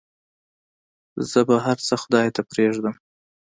زه به هرڅه خداى ته پرېږدم.